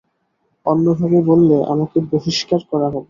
অন্যভাবে বললে, আমাকে বহিষ্কার করা হবে।